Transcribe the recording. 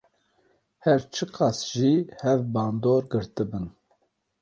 Her çi qas ji hev bandor girtibin.